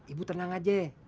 ibu tenang aja ya